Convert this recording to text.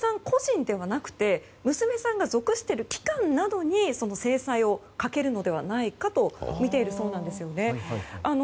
個人ではなくて娘さんが属している機関などに制裁をかけるのではないかとみているそうなんですね。